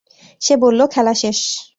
সে বলল খেলা শেষ!